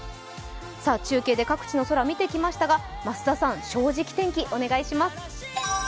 中継で各地の空見てきましたが、増田さん、「正直天気」、お願いします。